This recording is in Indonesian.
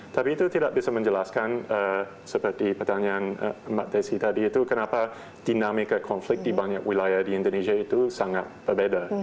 tapi itu tidak bisa menjelaskan seperti pertanyaan mbak desi tadi itu kenapa dinamika konflik di banyak wilayah di indonesia itu sangat berbeda